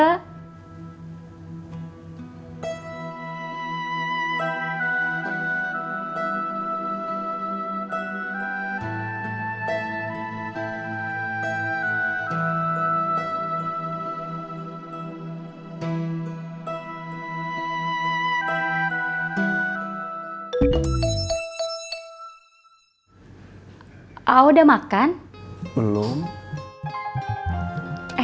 lepas dia makan colaa